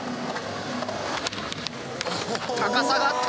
高さがあった！